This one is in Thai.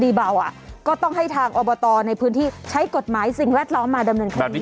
เบาอ่ะก็ต้องให้ทางอบตในพื้นที่ใช้กฎหมายสิ่งแวดล้อมมาดำเนินคดี